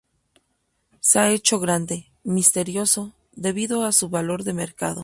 Se ha hecho grande, misterioso, debido a su valor de mercado".